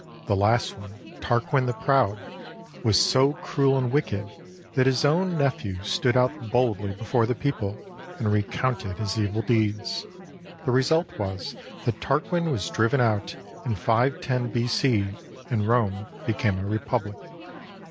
The last one, Tarquin the Proud, was so cruel and wicked that his own nephew stood out boldly before the people and re counted his evil deeds. The result was that Tarquin was driven out in 510 B.C., and Rome became a republic.